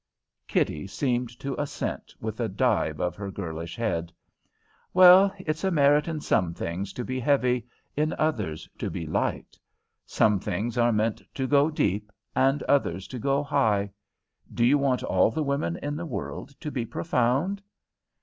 Kitty seemed to assent, with a dive of her girlish head. "Well, it's a merit in some things to be heavy, and in others to be light. Some things are meant to go deep, and others to go high. Do you want all the women in the world to be profound?"